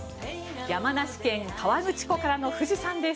山梨県・河口湖からの富士山です。